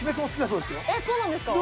そうなんですか？